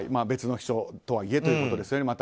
別の秘書とはいえということですね。